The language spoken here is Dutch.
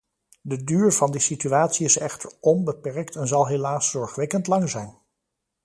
De duur van die situatie is echter onbeperkt en zal helaas zorgwekkend lang zijn.